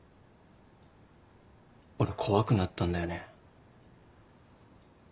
俺怖くなったんだよね。